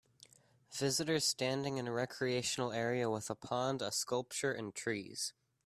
Visitors standing in a recreational area with a pond, a sculpture and trees